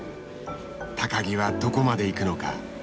木はどこまで行くのか。